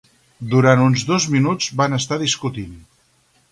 Durant uns dos minuts van estar discutint.